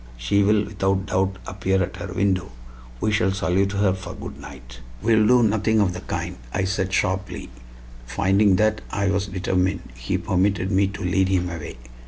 She will, without doubt, appear at her window. We shall salute her for good night." "We will do nothing of the kind," I said sharply. Finding that I was determined, he permitted me to lead him away.